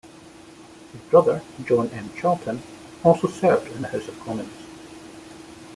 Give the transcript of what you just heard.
His brother John M. Charlton also served in the House of Commons.